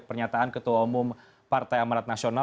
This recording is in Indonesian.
pernyataan ketua umum partai amarat nasional